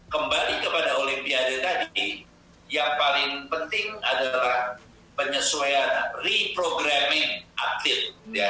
kembali kepada olimpiade tadi yang paling penting adalah penyesuaian reprogramming atlet